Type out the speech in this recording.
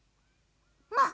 まあ。